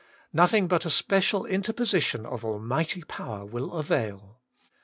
Nothing but a special interposition of Almighty Power will avail.